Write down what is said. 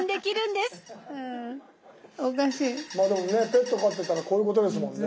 でもねペット飼ってたらこういうことですもんね。